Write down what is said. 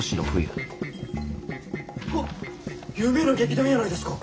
うわっ有名な劇団やないですか！